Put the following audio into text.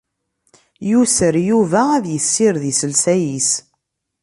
Yuser Yuba ad yessired iselsa-is.